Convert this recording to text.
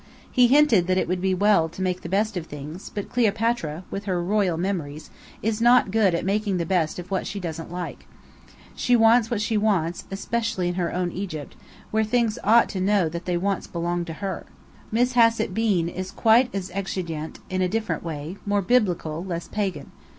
He hinted that it would be well to make the best of things; but Cleopatra, with her royal memories, is not good at making the best of what she doesn't like. She wants what she wants, especially in her own Egypt, where things ought to know that they once belonged to her. Miss Hassett Bean is quite as exigeante, in a different way, more Biblical, less pagan.